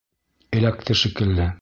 Эләкте шикелле.